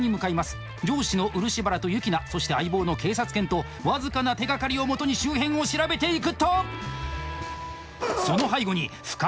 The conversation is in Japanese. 上司の漆原とユキナそして相棒の警察犬と僅かな手がかりをもとに周辺を調べていくと。